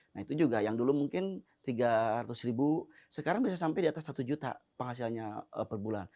nah itu juga yang dulu mungkin tiga ratus ribu sekarang bisa sampai di atas satu juta penghasilannya per bulan